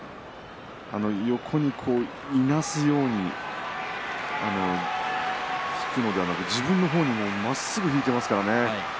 横にいなすように引くのではなく自分の方にまっすぐ引いていますからね。